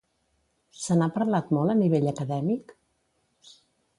Se n'ha parlat molt a nivell acadèmic?